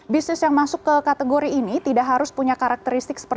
bisnis yang masuk ke kategori ini tidak harus punya karakter yang berbeda